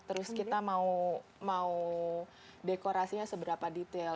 terus kita mau dekorasinya seberapa detail